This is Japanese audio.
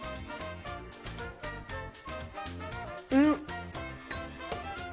うん。